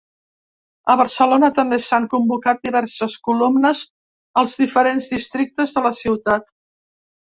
A Barcelona, també s’han convocat diverses columnes als diferents districtes de la ciutat.